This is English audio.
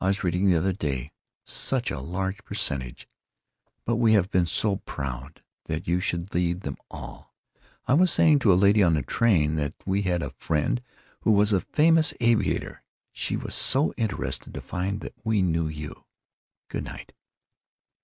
I was reading the other day—such a large percentage——But we have been so proud that you should lead them all, I was saying to a lady on the train that we had a friend who was a famous aviator, and she was so interested to find that we knew you. Good night."